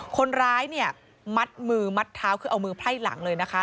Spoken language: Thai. คนร้ายเนี่ยมัดมือมัดเท้าคือเอามือไพร่หลังเลยนะคะ